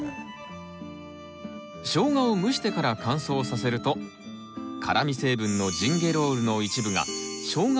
ショウガを蒸してから乾燥させると辛み成分のジンゲロールの一部がショウガ